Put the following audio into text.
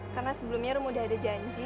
karena sebelumnya rum udah ada janji